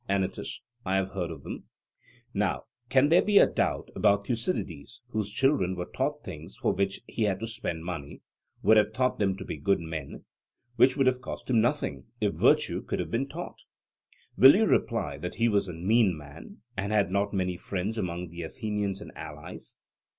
ANYTUS: I have heard of them. SOCRATES: Now, can there be a doubt that Thucydides, whose children were taught things for which he had to spend money, would have taught them to be good men, which would have cost him nothing, if virtue could have been taught? Will you reply that he was a mean man, and had not many friends among the Athenians and allies?